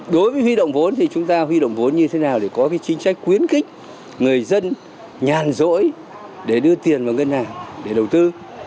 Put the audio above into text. đối với huy động vốn thì chúng ta huy động vốn như thế nào để có cái chính sách khuyến khích người dân nhàn rỗi để đưa tiền vào ngân hàng để đầu tư